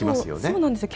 そうなんですよ。